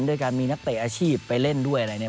ด้วยการมีนักเตะอาชีพไปเล่นด้วยอะไรเนี่ย